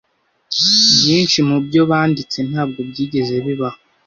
Byinshi mubyo banditse ntabwo byigeze bibaho.